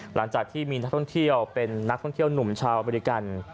หลังจากที่มีนักท่องเที่ยวเป็นนักท่องเที่ยวหนุ่มชาวอเมริกัน